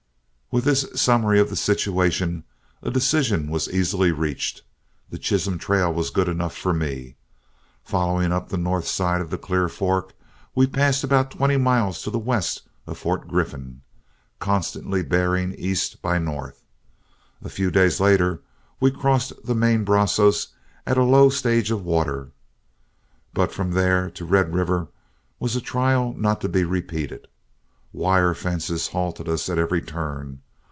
With this summary of the situation, a decision was easily reached. The Chisholm Trail was good enough for me. Following up the north side of the Clear Fork, we passed about twenty miles to the west of Fort Griffin. Constantly bearing east by north, a few days later we crossed the main Brazos at a low stage of water. But from there to Red River was a trial not to be repeated. Wire fences halted us at every turn.